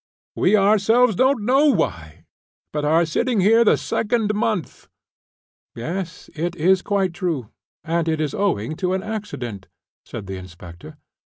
We ourselves don't know why, but are sitting here the second month." "Yes, it's quite true, and it is owing to an accident," said the inspector.